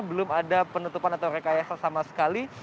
belum ada penutupan atau rekayasa sama sekali